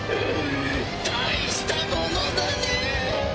大したものだね！